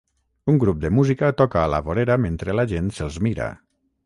Un grup de música toca a la vorera mentre la gent se'ls mira.